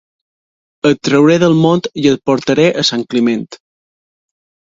Et trauré del Mont i et portaré a Sant Climent.